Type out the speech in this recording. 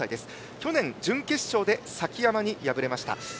去年、準決勝で崎山に敗れました。